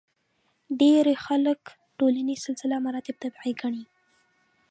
ډېری خلک ټولنیز سلسله مراتب طبیعي ګڼي.